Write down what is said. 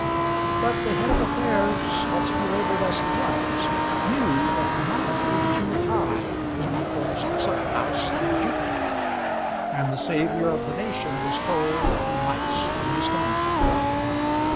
But the Head of Affairs, much belaboured as he was, knew that he might pay too high even for Mr. Supplehouse and the Jupiter; and the saviour of the nation was told that he might swing his tomahawk.